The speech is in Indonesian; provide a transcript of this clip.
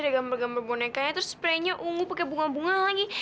ada gambar gambar bonekanya terus spray nya ungu pakai bunga bunga lagi